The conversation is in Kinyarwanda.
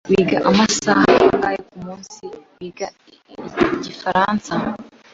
Wiga amasaha angahe kumunsi wiga igifaransa?